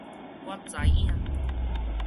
我知影